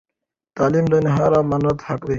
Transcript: تعلیم د نهار د امانت حق دی.